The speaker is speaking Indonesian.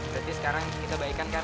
berarti sekarang kita baikkan kan